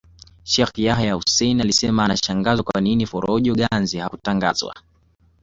Sheikh Yahya Hussein alisema anashangazwa kwa nini Forojo Ganze hakutangazwa